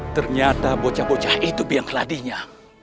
ternyata bocah bocah itu biang keladinya